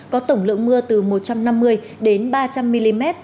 có tổng lượng mưa từ một trăm năm mươi đến ba trăm linh mm